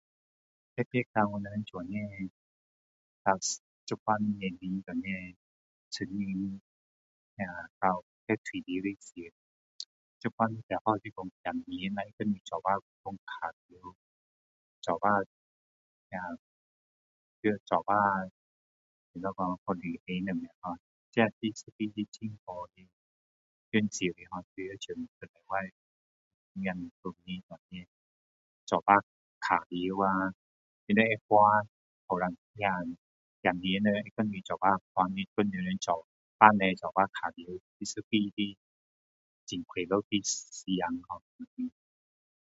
一到我们这样，到现在年龄时间这样， [unintelligible] 那到要退休的时候。现在，最好就是说儿子们能一起去玩耍，一起那，要一起怎么说[har]，去旅行什么[har]这是一个很好的享受[har]。就好像他们一礼拜小孩回来这样，能一起玩耍啊，他们会叫，年轻的，儿子们能跟你一起，叫你，给你们做父母的一起玩耍，是一个很快乐的时间[har] [unintelligible]